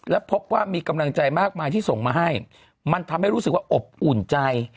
และพบว่ามีกำลังใจมากมายที่ส่งมาให้มันทำให้รู้สึกว่าอบอุ่นใจ